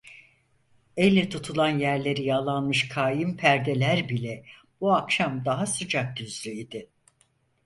Elle tutulan yerleri yağlanmış kaim perdeler bile bu akşam daha sıcak yüzlü idi.